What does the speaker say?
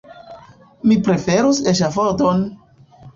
Mi preferus eŝafodon!